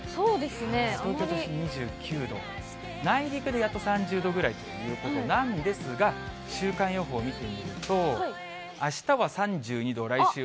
東京２９度、内陸でやっと３０度くらいということなんですが、週間予報を見てみると、あれ？